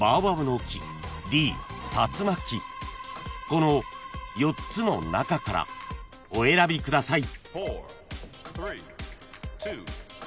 ［この４つの中からお選びください］